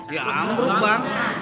ya amruk bang